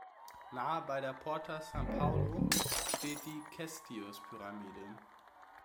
Nahe bei der Porta San Paolo steht die Cestius-Pyramide.